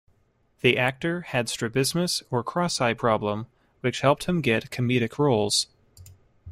The actor had Strabismus or cross-eye problem, which helped him get comedic roles.